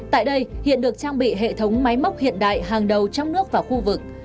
tại đây hiện được trang bị hệ thống máy móc hiện đại hàng đầu trong nước và khu vực